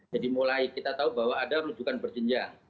jadi mulai kita tahu bahwa ada rujukan berjenjang